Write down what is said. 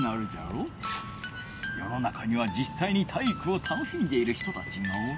よの中にはじっさいに体育を楽しんでいる人たちがおる。